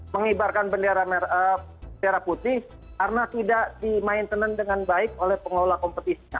mengibarkan bendera merah putih karena tidak di maintenance dengan baik oleh pengelola kompetisi